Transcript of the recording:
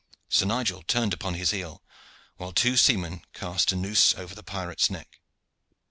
Sir Nigel turned upon his heel, while two seamen cast a noose over the pirate's neck.